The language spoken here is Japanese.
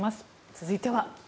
続いては。